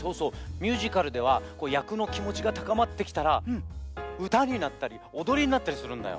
ミュージカルではやくのきもちがたかまってきたらうたになったりおどりになったりするんだよ。